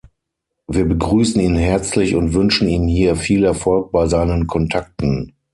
Wir begrüßen ihn herzlich und wünschen ihm hier viel Erfolg bei seinen Kontakten.